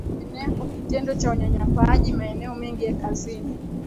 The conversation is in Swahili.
kuenea kwa kitendo cha unyanyapaji maeneo mengi ya kazini